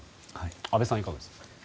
安部さん、いかがですか？